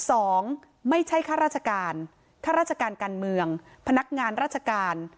สองไม่ใช่ข้าราชการข้าราชการการเมืองพนักงานราชการ